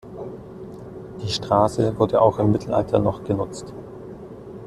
Diese Straße wurde auch im Mittelalter noch genutzt.